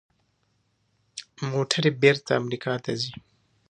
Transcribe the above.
موټرې بیرته امریکا ته ځي.